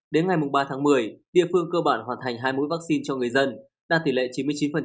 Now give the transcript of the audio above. đến ngày ba tháng một mươi địa phương cơ bản hoàn thành hai mũi vaccine cho người dân đạt tỷ lệ chín mươi chín